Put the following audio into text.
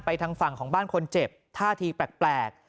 ทางฝั่งของบ้านคนเจ็บท่าทีแปลก